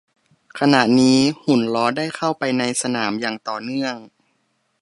ขณะนี้หุ่นล้อได้เข้าไปในสนามอย่างต่อเนื่อง